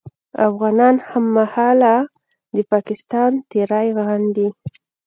افغانان هممهاله د پاکستان تېری غندي